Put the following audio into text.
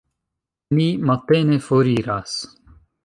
Ni matene foriras.